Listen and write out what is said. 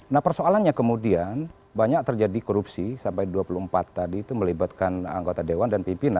nah persoalannya kemudian banyak terjadi korupsi sampai dua puluh empat tadi itu melibatkan anggota dewan dan pimpinan